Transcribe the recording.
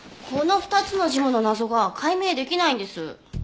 この２つのジムの謎が解明できないんです。